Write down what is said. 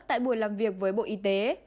tại buổi làm việc với bộ y tế